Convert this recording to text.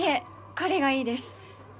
彼がいいです